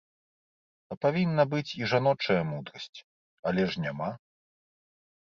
А павінна быць і жаночая мудрасць, але ж няма.